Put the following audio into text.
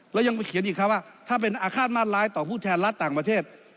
แล้วยังไปเขียนอีกครับว่าถ้าเป็นอาฆาตมาตร้ายต่อผู้แทนรัฐต่างประเทศ